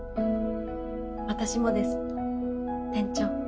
私もです店長。